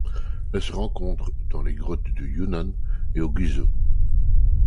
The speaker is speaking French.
Elle se rencontre dans des grottes au Yunnan et au Guizhou.